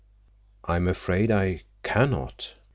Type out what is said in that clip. "I am afraid—I can not."